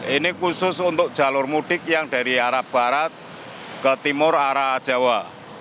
ini khusus untuk jalur mudik yang dari arah barat ke timur arah jawa